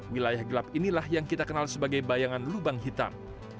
wilayah gelap inilah yang kita kenal sebagai bayangan lubang hitam